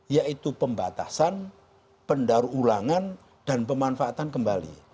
yaitu pembatasan pendarulangan dan pemanfaatan kembali